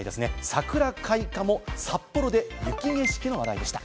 桜開花も札幌で雪景色の話題でした。